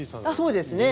そうですね。